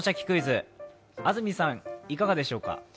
クイズ」、安住さんいかがでしょうか？